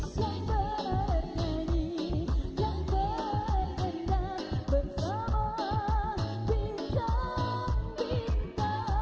sang bernari yang berdendam bernama bintang bintang